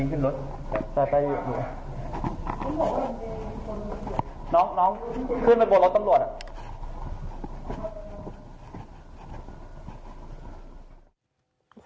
น้องขึ้นไปบนรถตำรวจ